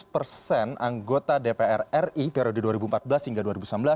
lima belas persen anggota dpr ri periode dua ribu empat belas hingga dua ribu sembilan belas